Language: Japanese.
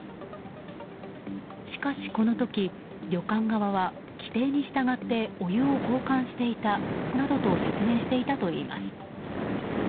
しかしこの時、旅館側は規定に従ってお湯を交換していたなどと説明していたといいます。